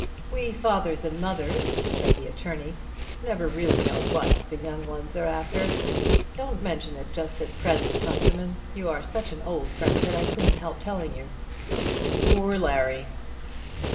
"We fathers and mothers," said the attorney, "never really know what the young ones are after. Don't mention it just at present, Runciman. You are such an old friend that I couldn't help telling you." "Poor Larry!"